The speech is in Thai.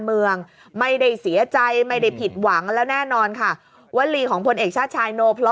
เมืองไม่ได้เสียใจไม่ได้ผิดหวังแล้วแน่นอนค่ะวลีของพลเอกชาติชายโนพลอ